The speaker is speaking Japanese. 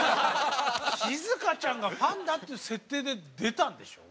しずかちゃんがファンだっていう設定で出たんでしょ？